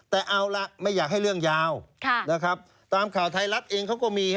แต่เอาล่ะไม่อยากให้เรื่องยาวนะครับตามข่าวไทยรัฐเองเขาก็มี